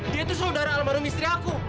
dia itu saudara almarhum istri aku